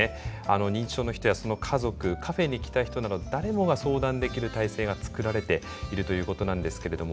認知症の人やその家族カフェに来た人なら誰もが相談できる体制が作られているということなんですけれども。